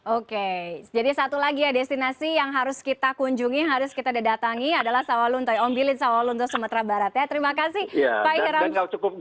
oke jadi satu lagi ya destinasi yang harus kita kunjungi harus kita datangi adalah sawal lunto ya ombilin sawal lunto sumatera barat ya terima kasih pak irang